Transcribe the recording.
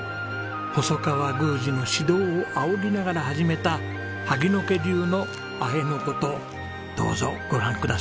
細川宮司の指導を仰ぎながら始めた萩野家流のあえのことどうぞご覧くださいませ。